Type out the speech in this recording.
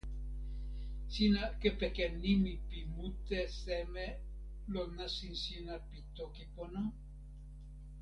sina kepeken nimi pi mute seme lon nasin sina pi toki pona?